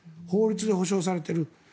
法律で保障されている。